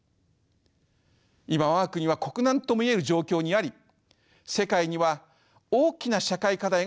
今我が国は国難ともいえる状況にあり世界には大きな社会課題が山積しています。